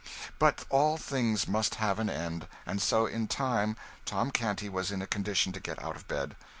But all things must have an end, and so in time Tom Canty was in a condition to get out of bed.